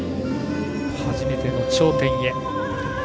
初めての頂点へ。